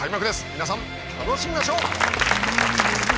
皆さん楽しみましょう！